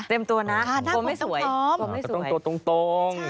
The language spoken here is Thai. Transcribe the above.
เตรียมตัวนะตรงตรง